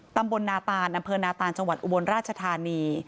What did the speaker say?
ตำบลนาตานอำเภอนาตานจังหวัดอุบลราชธานี